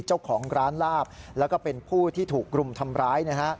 เจ้าของร้านลาบแล้วก็เป็นผู้ที่ถูกกลุ่มทำร้ายนะฮะ